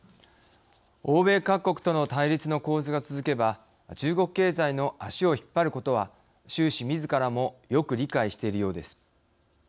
欧米各国との対立の構図が続けば中国経済の足を引っ張ることは習氏みずからもよく理解しているようです。